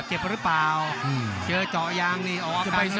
เจ้าะจอกยางนี้ออกอาการหรือเปล่า